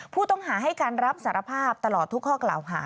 ผู้ต้องหาให้การรับสารภาพตลอดทุกข้อกล่าวหา